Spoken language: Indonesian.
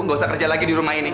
nggak usah kerja lagi di rumah ini